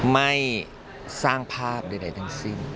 ไม่สร้างภาพใดทั้งสิ้น